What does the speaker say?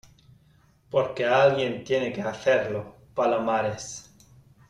porque alguien tiene que hacerlo , Palomares .